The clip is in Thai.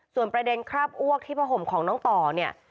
ส่วนประเด็นคราบอ้วกที่ผ้าห่มของน้องต่อเนี่ย